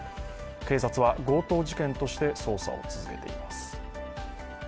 警察は強盗事件として捜査を続けています。